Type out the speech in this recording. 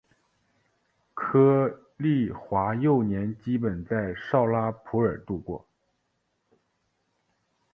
柯棣华幼年基本在绍拉普尔度过。